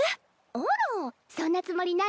あらそんなつもりないけど？